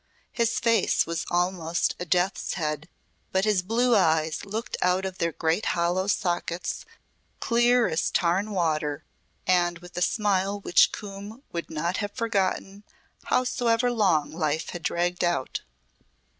His face was almost a death's head, but his blue eyes looked out of their great hollow sockets clear as tarn water, and with the smile which Coombe would not have forgotten howsoever long life had dragged out.